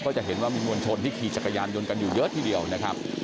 จะเห็นว่ามีมวลชนที่ขี่จักรยานยนต์กันอยู่เยอะทีเดียวนะครับ